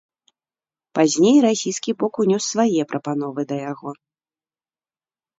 Пазней расійскі бок ўнёс свае прапановы да яго.